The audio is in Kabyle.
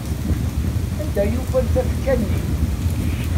Anda i yufan tafekka-nni?